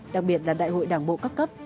đặc biệt là đại hội đảng bộ cấp cấp